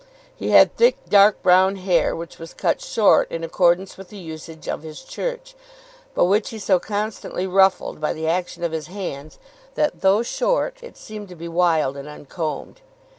He had thick dark brown hair, which was cut short in accordance with the usage of his Church; but which he so constantly ruffled by the action of his hands, that, though short, it seemed to be wild and uncombed.